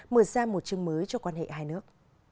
mở ra một chương mới cho quan hệ hai nước